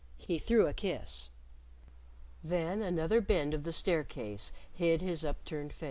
He threw a kiss. Then another bend of the staircase hid his upturned face.